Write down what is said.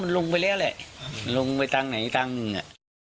ลงไปแล้วแหละลงไปตรงไหนตรงนึง